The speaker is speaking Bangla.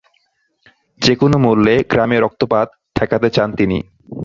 যেকোনো মূল্যে গ্রামে রক্তপাত ঠেকাতে চান তিনি।